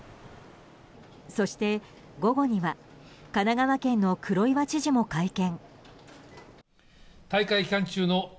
そして、午後には神奈川県の黒岩知事も会見。